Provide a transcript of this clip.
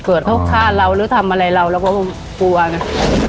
เกิดเขาฆ่าเราหรือทำอะไรเราเราก็คงกลัวไง